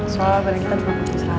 soalnya balik kita juga butuh saran pak